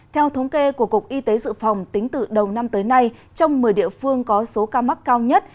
theo thống kê của cục y tế dự phòng tính từ đầu năm tới nay trong một mươi địa phương có số ca mắc cao nhất